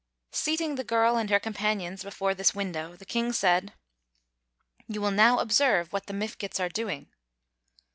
Seating the girl and her companions before this window, the King said: "You will now observe what the Mifkets are doing."